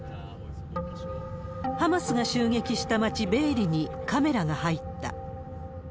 ハマスが襲撃した町、ベエリにカメラが入った。